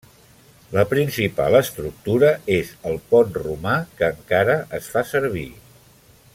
La principal estructura és el pont romà que encara es fa servir.